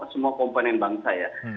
semua komponen bangsa ya